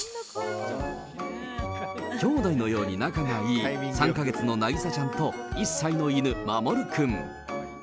きょうだいのように仲がいい３か月の凪里ちゃんと１歳の犬、マモルくん。